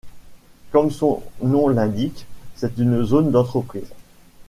Comme son nom l'indique, c'est une zone d'entreprises.